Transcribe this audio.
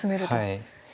はい。